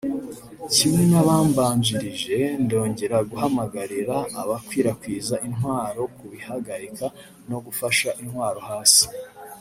kimwe n’abambanjirije ndongera guhamagarira abakwirakwiza intwaro kubihagarika no gufasha intwaro hasi